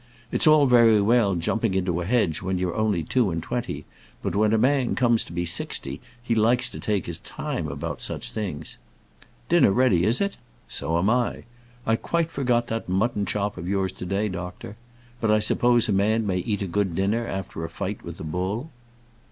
It's all very well jumping into a hedge when you're only two and twenty; but when a man comes to be sixty he likes to take his time about such things. Dinner ready, is it? So am I. I quite forgot that mutton chop of yours to day, doctor. But I suppose a man may eat a good dinner after a fight with a bull?"